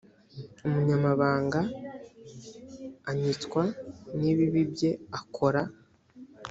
umunyabyaha anyitswa n ibibi bye akora